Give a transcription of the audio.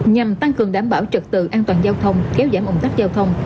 nhằm tăng cường đảm bảo trực tự an toàn giao thông kéo giảm ủng cấp giao thông